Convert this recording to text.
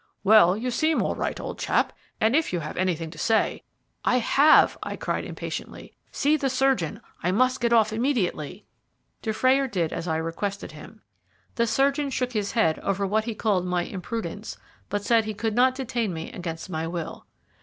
"Well, you seem all right, old chap, and if you have anything to say " "I have," I cried impatiently. "See the surgeon. I must get off immediately." Dufrayer did as I requested him. The surgeon shook his head over what he called my imprudence, but said he could not detain me against my will.